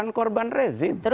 bukan korban rezim